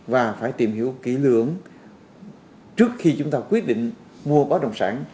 và phải tìm hiểu kỹ lưỡng trước khi chúng ta quyết định mua bất đồng sản